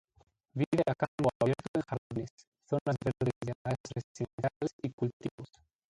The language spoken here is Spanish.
Vive a campo abierto en jardines, zonas verdes de áreas residenciales y cultivos.